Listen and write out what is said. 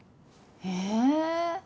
え